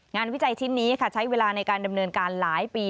วิจัยชิ้นนี้ค่ะใช้เวลาในการดำเนินการหลายปี